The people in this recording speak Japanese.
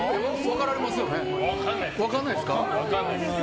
分からないですか？